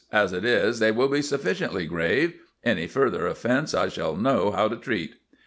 As it is, they will be sufficiently grave. Any further offence I shall know how to treat."